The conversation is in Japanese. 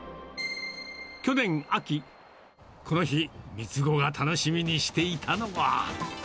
去年秋、この日、三つ子が楽しみにしていたのは。